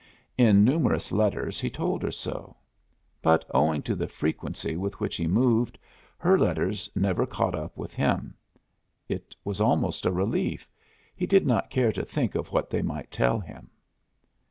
In numerous letters he told her so. But, owing to the frequency with which he moved, her letters never caught up with him. It was almost a relief. He did not care to think of what they might tell him.